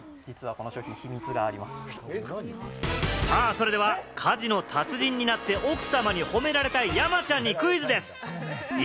それでは、家事の達人になって奥様に褒められたい山ちゃんにクイズです！